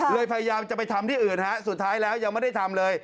พยายามจะไปทำที่อื่นฮะสุดท้ายแล้วยังไม่ได้ทำเลย